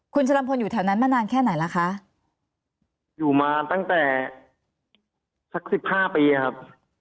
คุณชะลำพลอยู่แถวนั้นมานานแค่ไหนล่ะคะอยู่มาตั้งแต่สักสิบห้าปีครับ